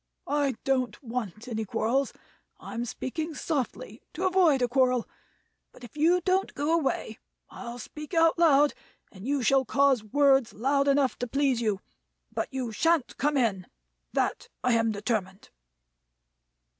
I don't want any quarrels; I'm speaking softly to avoid a quarrel; but if you don't go away, I'll speak out loud, and you shall cause words loud enough to please you. But you shan't come in, that I am determined."